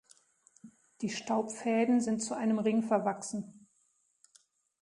Die Staubfäden sind zu einem Ring verwachsen.